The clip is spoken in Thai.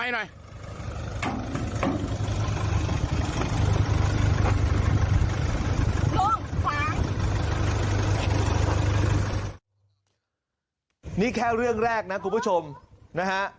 นี่แค่เรื่องแรกนะคุณผู้ชมนะฮะ